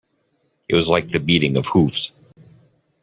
It was like the beating of hoofs.